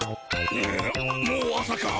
んもう朝か。